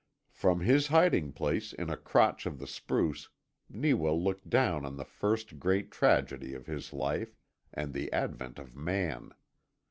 From his hiding place in a crotch of the spruce Neewa looked down on the first great tragedy of his life, and the advent of man.